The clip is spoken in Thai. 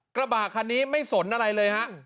กระบะคันนี้ไม่สนอะไรเลยฮะ